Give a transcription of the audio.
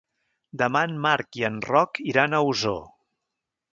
Demà en Marc i en Roc aniran a Osor.